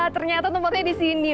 ternyata tempatnya di sini